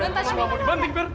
dantasin gue gue mau dibanting fir